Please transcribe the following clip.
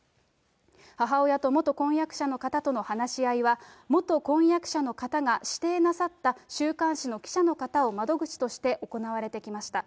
母親と元婚約者の方との話し合いは、元婚約者の方が指定なさった週刊誌の記者の方を窓口として行われてきました。